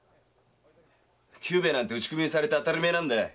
久兵衛なんて打首にされて当たり前なんだよ！